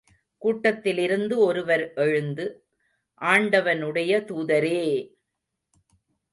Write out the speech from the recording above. கூட்டத்திலிருந்து ஒருவர் எழுந்து, ஆண்டவனுடைய தூதரே!